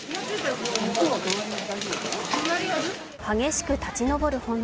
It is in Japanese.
激しく立ち上る炎。